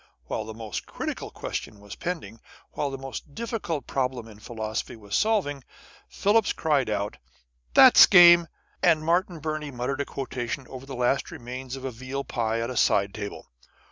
While the most critical question was pending, while the most difficult problem in philosophy was solving, Phillips cried out, " That's game," and Martin Burney muttered a quotation over the last remains of a veal pie at a side table.